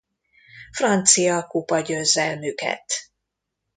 Francia Kupa-győzelmüket.